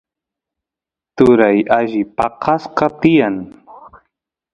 turay alli paqasqa tiyan